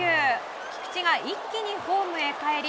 菊池が一気にホームにかえり